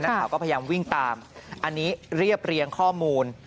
ข่าวก็พยายามวิ่งตามอันนี้เรียบเรียงข้อมูล